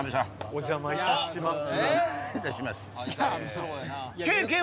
お邪魔いたします。